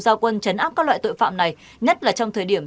giao quân chấn áp các loại tội phạm này nhất là trong thời điểm